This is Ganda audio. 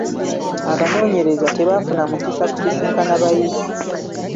Abanoonyereza tebaafuna mukisa kusisinkana bayizi.